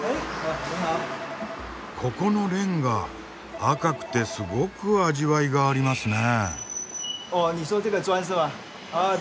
ここのレンガ赤くてすごく味わいがありますね？